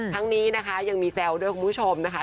ทั้งนี้นะคะยังมีแซวด้วยคุณผู้ชมนะคะ